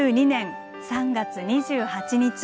２０２２年３月２８日。